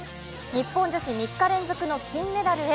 日本女子３日連続の金メダルへ。